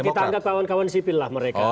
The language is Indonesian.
kita anggap kawan kawan sipil lah mereka